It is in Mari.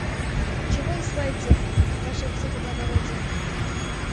— Чего изволите, ваше высокоблагородие?